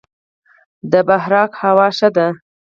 د بهارک هوا ښه ده